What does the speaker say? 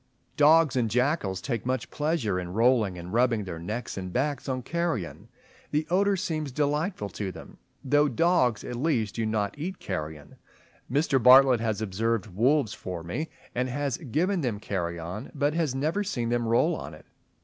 Dogs and jackals take much pleasure in rolling and rubbing their necks and backs on carrion. The odour seems delightful to them, though dogs at least do not eat carrion. Mr. Bartlett has observed wolves for me, and has given them carrion, but has never seen them roll on it.